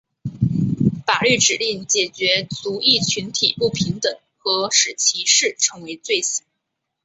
法律指令解决族裔群体不平等和使歧视成为罪行。